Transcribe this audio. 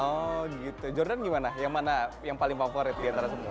oh gitu jordan gimana yang mana yang paling favorit di antara semua